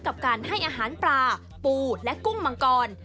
กับการให้อาหารปลาปูและกุ้งมังกร